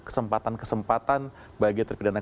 kesempatan kesempatan bagi terpidana